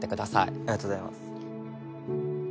ありがとうございます。